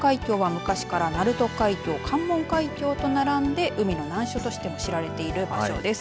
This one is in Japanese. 昔から鳴門海峡、開門海峡との並んで海の難所としても知られる場所です。